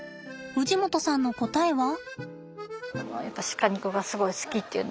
氏夲さんの答えは。